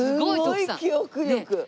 すごい記憶力。